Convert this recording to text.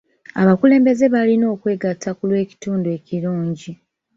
Abakulembeze balina okwegatta ku lw'ekitundu ekirungi.